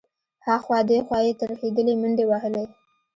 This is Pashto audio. ها خوا دې خوا يې ترهېدلې منډې وهلې.